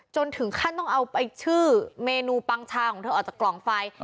จนถึงขั้นต้องเอาชื่อเมนูปังชาของเธอออกจากกล่องไฟ